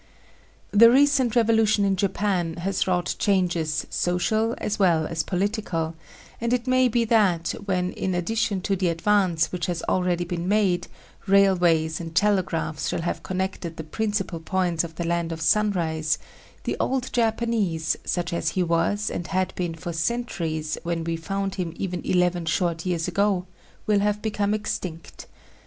The recent revolution in Japan has wrought changes social as well as political; and it may be that when, in addition to the advance which has already been made, railways and telegraphs shall have connected the principal points of the Land of Sunrise, the old Japanese, such as he was and had been for centuries when we found him eleven short years ago, will have become extinct.